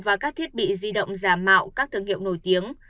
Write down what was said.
và các thiết bị di động giả mạo các thương hiệu nổi tiếng